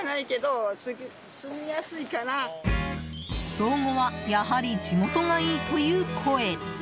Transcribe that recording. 老後はやはり地元がいいという声。